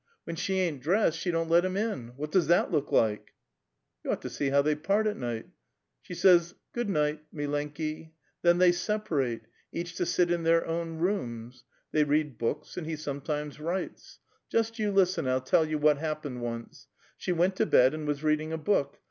AVhen she ain't dressed, she don't let bim in. Wh:it (1(k*s that look like?" You oiiixht to see how they part at night. She says: ' 7Vo.s//r///// iy///V///i /, good night.' Then they separate, each to j^it ill tlii'ir own nxjnis. They read books, and he some times wiitis. Just you listen aiM.1 1*11 tell you what liap ]iened once. Slie went to l)e<l and was reading a book.